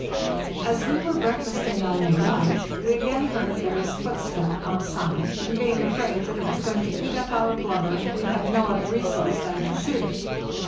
As we were breakfasting on May gth we again heard a bear's footstep outside, and being afraid that it was going to eat up our blubber, we had no other resource than to shoot it.